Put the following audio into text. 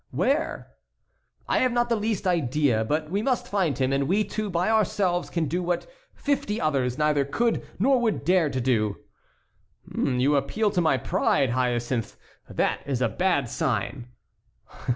"Where?" "I have not the least idea; but we must find him, and we two by ourselves can do what fifty others neither could nor would dare to do." "You appeal to my pride, Hyacinthe; that is a bad sign."